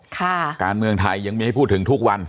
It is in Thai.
การเมืองไทยยังมีให้พูดถึงทุกวัน